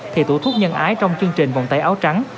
thì tủ thuốc nhân ái trong chương trình vòng tay áo trắng